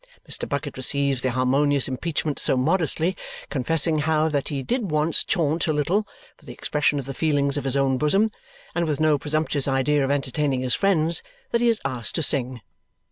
Mr. Bucket receives the harmonious impeachment so modestly, confessing how that he did once chaunt a little, for the expression of the feelings of his own bosom, and with no presumptuous idea of entertaining his friends, that he is asked to sing.